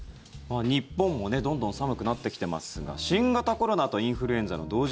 日本もどんどん寒くなってきてますが新型コロナとインフルエンザの同時